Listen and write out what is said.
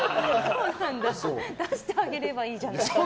出してあげればいいじゃない。